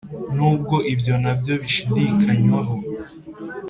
nubwo ibyo na byo bishidikanywaho.